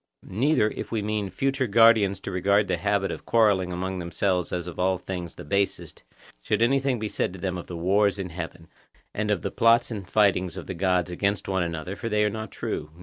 Neither, if we mean our future guardians to regard the habit of quarrelling among themselves as of all things the basest, should any word be said to them of the wars in heaven, and of the plots and fightings of the gods against one another, for they are not true.